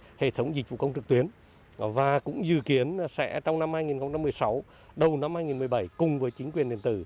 hệ thống dịch vụ công trực tuyến và cũng dự kiến sẽ trong năm hai nghìn một mươi sáu đầu năm hai nghìn một mươi bảy cùng với chính quyền điện tử